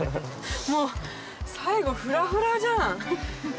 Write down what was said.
もう最後フラフラじゃん。